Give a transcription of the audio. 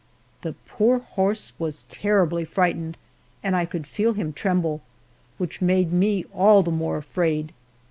The poor horse was terribly frightened, and I could feel him tremble, which made me all the more afraid.